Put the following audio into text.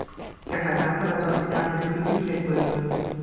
แก้ไขปัญหาจราจรติดขัดในพื้นที่เขตเมือง